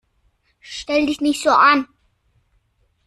Stell dich nicht so an!